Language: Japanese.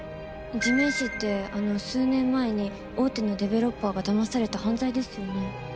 地面師ってあの数年前に大手のデベロッパーがだまされた犯罪ですよね？